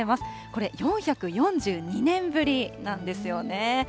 これ、４４２年ぶりなんですよね。